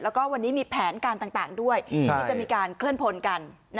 แล้วก็วันนี้มีแผนการต่างด้วยที่จะมีการเคลื่อนพลกัน